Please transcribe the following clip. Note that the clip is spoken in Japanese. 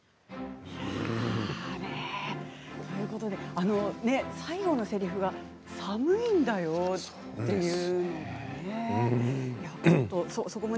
いや最期のせりふが寒いんだよっていうのもね